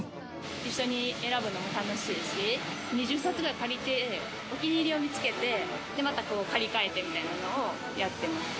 一緒に選ぶのが楽しいし、２０冊ぐらい借りて、お気に入りを見つけて、またこう借り換えてみたいなのを、やってます。